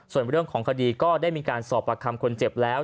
ส่วนเรื่องของคดีก็ได้มีการสอบประคำคนเจ็บแล้ว